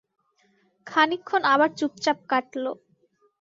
খানিকক্ষণ আবার চুপচাপ কাটল।